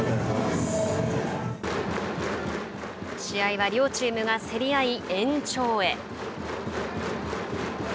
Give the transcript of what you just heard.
試合は両チームが競り合い延長へ。